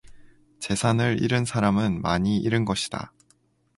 재산을 잃은 사람은 많이 잃은 것이다.